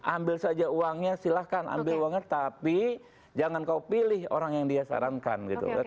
ambil saja uangnya silahkan ambil uangnya tapi jangan kau pilih orang yang dia sarankan